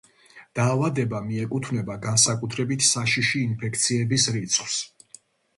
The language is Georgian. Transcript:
დაავადება მიეკუთვნება განსაკუთრებით საშიში ინფექციების რიცხვს.